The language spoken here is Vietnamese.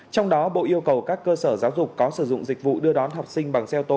trong đó bộ yêu cầu các cơ sở giáo dục có sử dụng dịch vụ đưa đón học sinh bằng xe ô tô